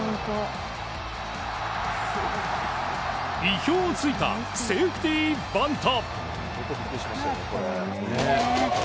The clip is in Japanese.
意表を突いたセーフティーバント。